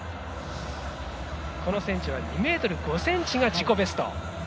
この選手は２ｍ５ｃｍが自己ベスト。